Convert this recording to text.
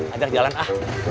ajak jalan a